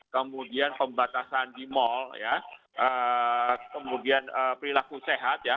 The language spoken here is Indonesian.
kemudian pembatasan di mall kemudian perilaku sehat